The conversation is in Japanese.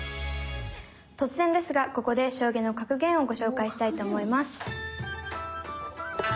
突然ですがここで将棋の格言をご紹介したいと思います。